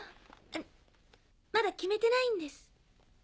あまだ決めてないんです。